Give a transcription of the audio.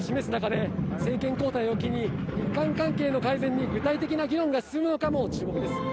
日本との関係改善にも意欲を示す中で政権交代を機に日韓関係の改善に具体的な議論が進むのかも注目です。